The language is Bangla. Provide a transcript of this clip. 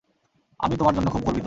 আমি তোমার জন্য খুব গর্বিত।